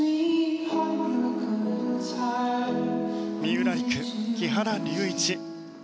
三浦璃来、木原龍一。